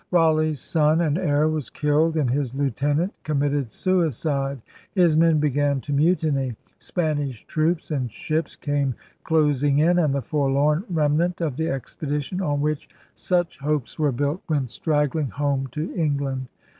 Raleigh's son and heir was killed and his lieutenant committed suicide. His men began to mutiny. Spanish troops and ships came closing in; and the forlorn remnant of the expedition on which such hopes were built went straggling home to England.